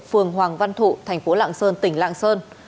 phường hoàng văn thụ thành phố lạng sơn tỉnh lạng sơn